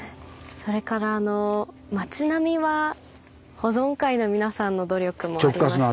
それからあの町並みは保存会の皆さんの努力もありましたね。